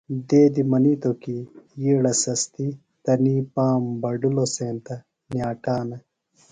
دیدیۡ منِیتوۡ کی یِیڑہ سیتیۡ بہ تنیۡ پام بڈِلوۡ سینتہ نِیاٹانہ۔